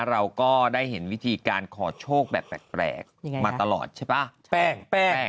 เราก็ได้เห็นวิธีการขอโชคแบบแปลกมาตลอดใช่ป่ะแป้ง